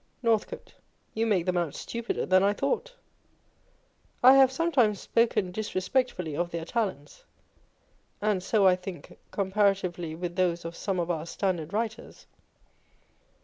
Nortlwote. You make them out stupider than I thought. I have sometimes spoken disrespectfully of their talents, and so I think, comparatively with those of some of our standard writers.